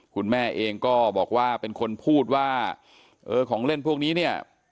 คุณแม่เองก็บอกว่าเป็นคนพูดว่าเออของเล่นพวกนี้เนี่ย